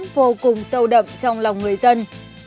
vô cùng sâu đậm trong lòng người dân